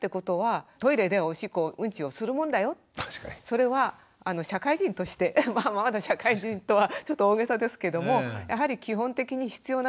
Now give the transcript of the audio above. それは社会人としてまだ社会人とはちょっと大げさですけどもやはり基本的に必要なことなんだよ